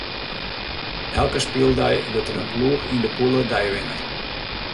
Elke spyldei wurdt in ploech yn de pûle deiwinner.